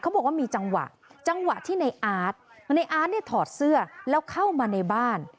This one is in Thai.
บอกว่ามีจังหวะจังหวะที่ในอาร์ตในอาร์ตเนี่ยถอดเสื้อแล้วเข้ามาในบ้าน